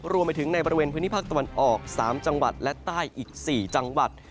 รวมไปถึงในบริเวณพื้นที่ภาคตะวันออก๓จังหวัดและใต้อีก๔จังหวัด